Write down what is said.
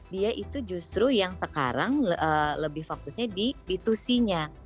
dia itu justru yang sekarang lebih fokusnya di b dua c nya